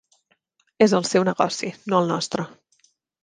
És el seu negoci, no el nostre.